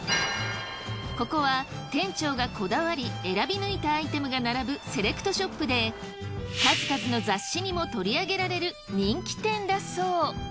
ここは店長がこだわり選び抜いたアイテムが並ぶセレクトショップで数々の雑誌にも取り上げられる人気店だそう。